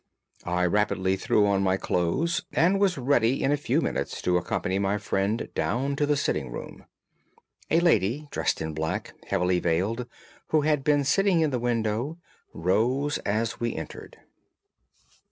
I rapidly threw on my clothes and was ready in a few minutes to accompany my friend down to the sitting room. A lady dressed in black and heavily veiled, who had been sitting in the window, rose as we entered.